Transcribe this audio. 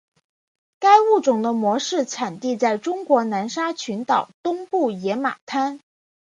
该物种的模式产地在中国南沙群岛东部野马滩。